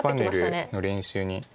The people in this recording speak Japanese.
タッチパネルの練習に。